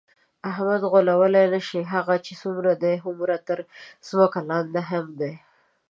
احمد غولولی نشې، هغه چې څومره دی هومره تر ځمکه لاندې هم دی.